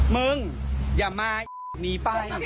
มึงอย่ามาหนีไป